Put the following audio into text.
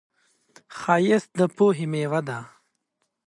ښایست د پوهې میوه ده